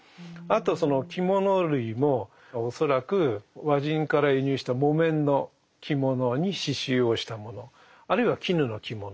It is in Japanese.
あとその着物類も恐らく和人から輸入した木綿の着物に刺しゅうをしたものあるいは絹の着物